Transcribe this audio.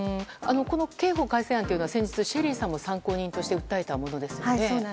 この刑法改正案は先日ＳＨＥＬＬＹさんも参考人として訴えたものですよね。